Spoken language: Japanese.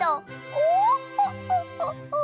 オーホホホホホ。